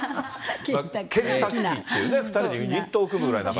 ケンタッキーって２人でユニットを組むぐらいだから。